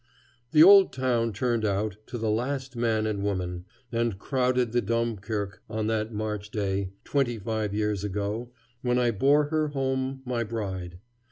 The old town turned out, to the last man and woman, and crowded the Domkirke on that March day, twenty five years ago when I bore Her home my bride.